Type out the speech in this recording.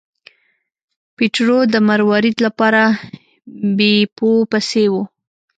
پیټرو د مروارید لپاره بیپو پسې و.